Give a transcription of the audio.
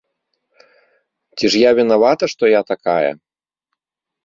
Ці ж я вінавата, што я такая?